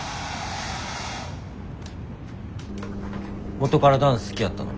元からダンス好きやったの？